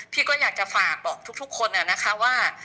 พี่ก็อยากจะฝากทุกคนว่า